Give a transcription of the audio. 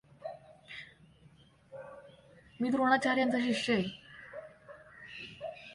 मी द्रोणाचार्यांचा शिष्य आहे.